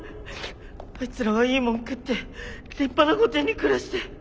あいつらはいいもん食って立派な御殿に暮らして！